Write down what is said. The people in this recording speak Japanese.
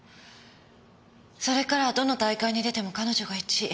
それからはどの大会に出ても彼女が１位。